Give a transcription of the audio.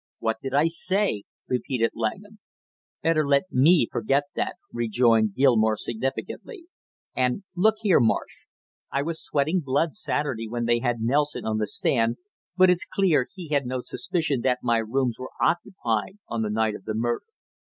"What did I say?" repeated Langham. "Better let me forget that," rejoined Gilmore significantly. "And look here, Marsh, I was sweating blood Saturday when they had Nelson on the stand, but it's clear he had no suspicion that my rooms were occupied on the night of the murder.